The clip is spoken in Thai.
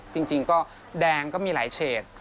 จริงแดงมีรายเฉศ